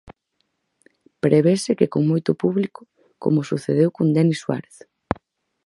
Prevese que con moito público, como sucedeu con Denis Suárez.